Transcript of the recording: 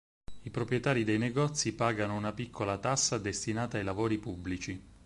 I proprietari dei negozi pagano una piccola tassa destinata ai lavori pubblici.